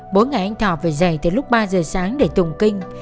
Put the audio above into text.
bốn ngày anh thọ phải dậy tới lúc ba giờ sáng để tùng kinh